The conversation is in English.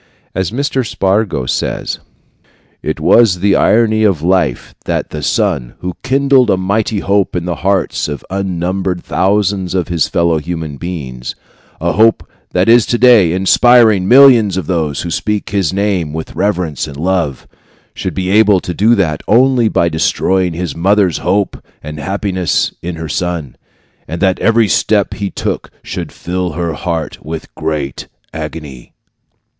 As Mr. Spargo says: It was the irony of life that the son, who kindled a mighty hope in the hearts of unnumbered thousands of his fellow human beings, a hope that is today inspiring millions of those who speak his name with reverence and love, should be able to do that only by destroying his mother's hope and happiness in her son, and that every step he took should fill her heart with a great agony.